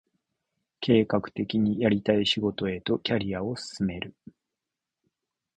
計画的にやりたい仕事へとキャリアを進める